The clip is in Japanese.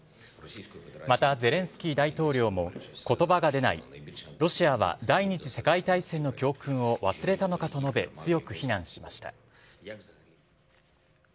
またゼレンスキー大統領も、ことばが出ない、ロシアは第２次世界大戦の教訓を忘れたのかと述べ、強く非難しました。